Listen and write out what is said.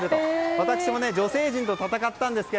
私も女性陣と戦ったんですが